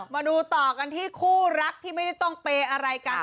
มาดูต่อกันที่คู่รักที่ไม่ได้ต้องเปย์อะไรกัน